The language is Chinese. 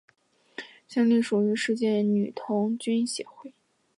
现隶属于世界女童军协会。